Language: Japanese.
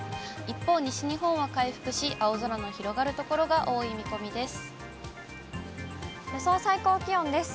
一方、西日本は回復し、青空の広がる所が多い見込みです。